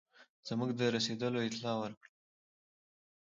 زموږ د رسېدلو اطلاع ورکړه.